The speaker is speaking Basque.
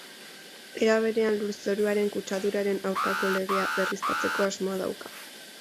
Era berean, lurzoruaren kutsaduraren aurkako legea berriztatzeko asmoa dauka.